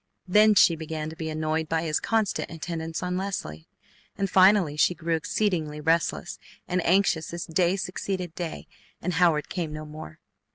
Then she began to be annoyed by his constant attendance on Leslie. And finally she grew exceedingly restless and anxious as day succeeded day and Howard came no more.